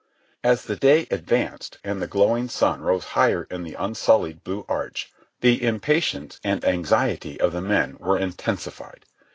As the day advanced and the glowing sun rose higher in the unsullied blue arch, the impatience and anxiety of the men were intensified.